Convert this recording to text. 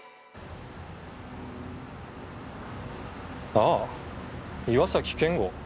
あぁ岩崎健吾。